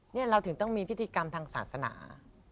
นี่เราถึงต้องมีพิธีกรรมทางศาสนา